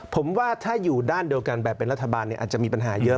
ผมว่าถ้าอยู่ด้านเดียวกันแบบเป็นรัฐบาลอาจจะมีปัญหาเยอะ